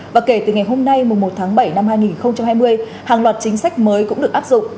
và kể từ ngày hôm nay một tháng bảy năm hai nghìn hai mươi hàng loạt chính sách mới cũng được áp dụng